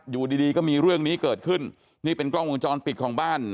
อยู่ดีดีก็มีเรื่องนี้เกิดขึ้นนี่เป็นกล้องวงจรปิดของบ้าน